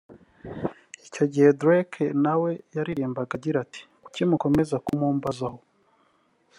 Icyo gihe Drake na we yaririmbaga agira ati “Kuki mukomeza kumumbazaho